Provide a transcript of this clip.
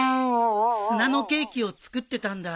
砂のケーキを作ってたんだ。